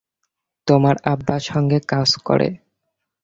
তোমার আব্বার সঙ্গে কাজ করে।